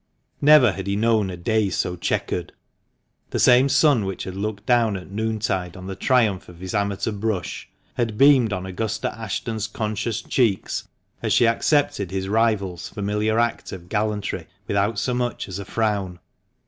Never had he known a day so chequered. The same sun which had looked down at noontide on the triumph of his amateur brush, had beamed on Augusta Ashton's conscious cheeks, as she accepted his rival's familiar act of gallantry without so much as a frown.